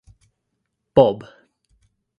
Bob.